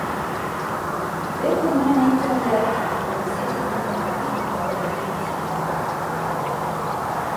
Бер һүҙ менән әйткәндә, Әлисә тиҙҙән быны бик ауыр уйын тип баһалап ҡуйҙы.